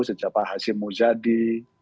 sejak pak hashim mujadi